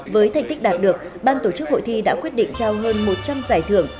với thành tích đạt được ban tổ chức hội thi đã quyết định trao hơn một trăm linh giải thưởng